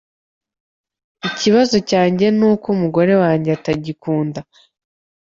Ikibazo cyanjye nuko umugore wanjye atagikunda